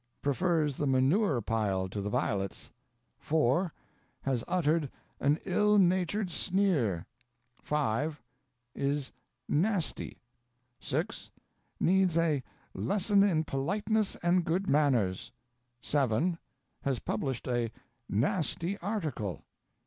Prefers the manure pile to the violets. 4. Has uttered "an ill natured sneer." 5. Is "nasty." 6. Needs a "lesson in politeness and good manners." 7. Has published a "nasty article."